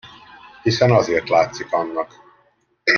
Hiszen azért látszik annak!